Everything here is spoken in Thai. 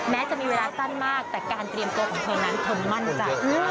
แม้จะมีเวลาสั้นมากแต่การเตรียมตัวของเธอนั้นเธอมั่นใจ